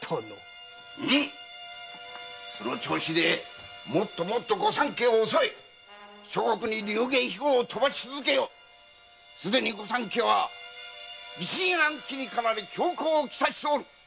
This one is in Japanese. その調子でもっともっと御三家を襲い諸国に流言飛語をとばし続けよすでに御三家は疑心暗鬼にかられ恐慌を来たしておる。